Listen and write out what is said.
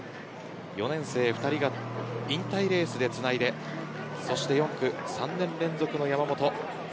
４年生２人が引退レースでつないで４区３年連続の山本。